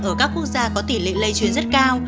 ở các quốc gia có tỉ lệ lây chuyển rất cao